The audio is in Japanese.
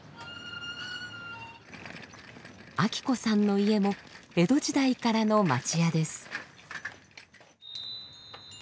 昭子さんの家も江戸時代からの町家です。